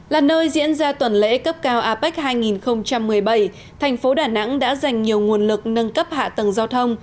là nơi diễn ra tuần lễ cấp cao apec hai nghìn một mươi bảy thành phố đà nẵng đã dành nhiều nguồn lực nâng cấp hạ tầng giao thông